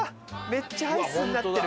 めっちゃアイスになってる。